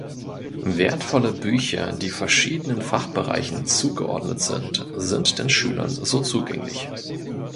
Wertvolle Bücher, die verschiedenen Fachbereichen zugeordnet sind, sind den Schülern so zugänglich.